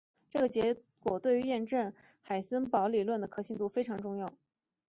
这个结果对于验证海森堡理论的可信度非常重要。